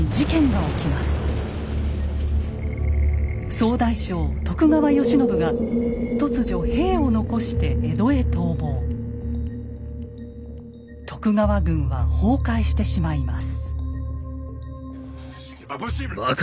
総大将・徳川慶喜が突如兵を残して徳川軍は崩壊してしまいます。